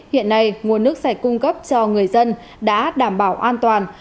hiện nay nguồn nước sạch cung cấp cho người dân đã đảm bảo an toàn